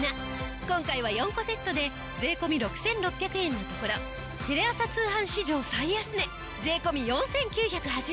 今回は４個セットで税込６６００円のところテレ朝通販史上最安値税込４９８０円。